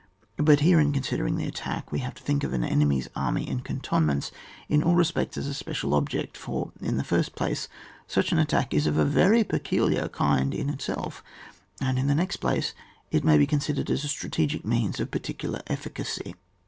But here, in considering the attack, we have to think of an enemy's army in cantonments in all respects as a special object ; for, in the first place, such an attack is of a very peculiar kind in itself; and, in the next place, it may be considered as a strategic means of particular efficacy.